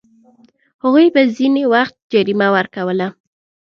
هغوی به ځینې وخت جریمه ورکوله.